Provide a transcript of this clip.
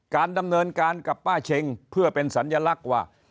การดำเนินการกับป้าเช็งเพื่อเป็นสัญลักษณ์ว่า